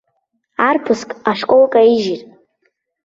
Арԥыск ашкол каижьит.